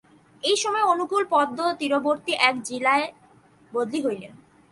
এই সময়ে অনুকূল পদ্মাতীরবর্তী এক জিলায় বদলি হইলেন।